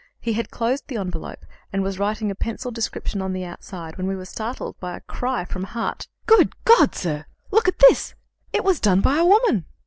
He had closed the envelope, and was writing a pencilled description on the outside, when we were startled by a cry from Hart. "Good God, sir! Look at this! It was done by a woman!"